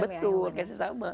betul case nya sama